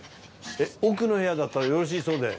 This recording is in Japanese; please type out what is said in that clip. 奥の部屋だったらよろしいそうで。